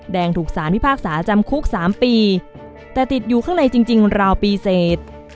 ถูกสารพิพากษาจำคุก๓ปีแต่ติดอยู่ข้างในจริงราวปีเสร็จ